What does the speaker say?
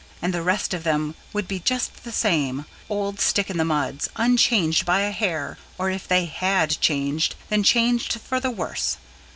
And the rest of them would be just the same old stick in the muds, unchanged by a hair, or, if they HAD changed, then changed for the worse.